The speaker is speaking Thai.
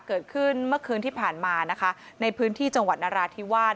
เกิดขึ้นเมื่อคืนที่ผ่านมานะคะในพื้นที่จังหวัดนราธิวาส